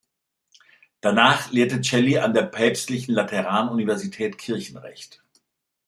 Danach lehrte Celli an der Päpstlichen Lateranuniversität Kirchenrecht.